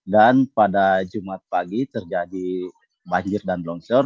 dan pada jumat pagi terjadi banjir dan longsor